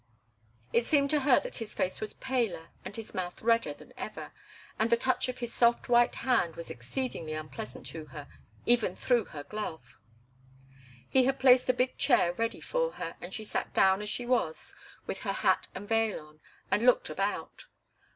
It seemed to her that his face was paler and his mouth redder than ever, and the touch of his soft white hand was exceedingly unpleasant to her, even through her glove. He had placed a big chair ready for her, and she sat down as she was, with her hat and veil on, and looked about.